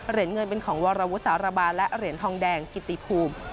เหรียญเงินเป็นของวรวุสารบาและเหรียญทองแดงกิติภูมิ